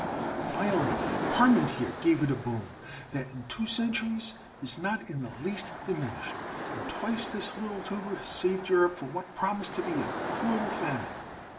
Finally Parmentier gave it a boom that in two centuries has not in the least diminished, and twice this little tuber has saved Europe from what promised to be a cruel famine."